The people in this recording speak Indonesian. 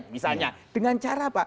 misalnya dengan cara apa